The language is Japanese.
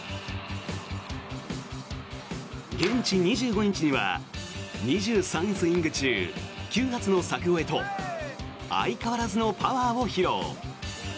現地２５日には２３スイング中９発の柵越えと相変わらずのパワーを披露。